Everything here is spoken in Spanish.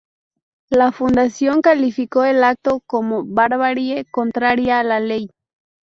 La Fundación calificó el acto como "barbarie contraria a la ley".